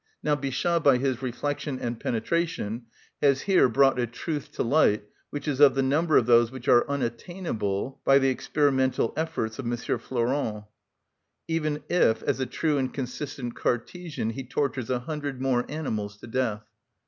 Now Bichat by his reflection and penetration has here brought a truth to light which is of the number of those which are unattainable by the experimental efforts of M. Flourens, even if, as a true and consistent Cartesian, he tortures a hundred more animals to death.